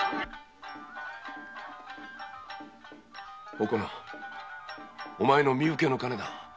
おこのお前の身請けの金だ。